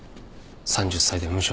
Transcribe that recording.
３０歳で無職。